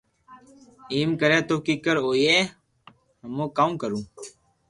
ايم ڪري تو ڪيڪر ھوئئي ھمو ڪاو ڪرو